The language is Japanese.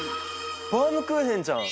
バウムクーヘンじゃん！